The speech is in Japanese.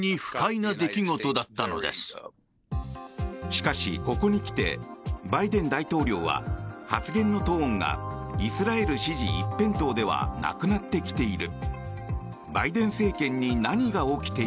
しかし、ここにきてバイデン大統領は発言のトーンがイスラエル支持一辺倒ではなくなってきている。